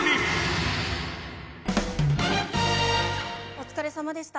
お疲れさまでした。